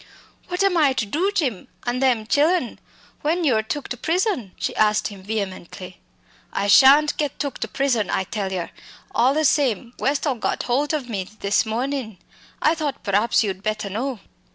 "What am I to do, Jim, an' them chillen when you're took to prison?" she asked him vehemently. "I shan't get took to prison, I tell yer. All the same, Westall got holt o' me this mornin'. I thought praps you'd better know."